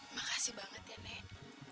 makasih banget ya nek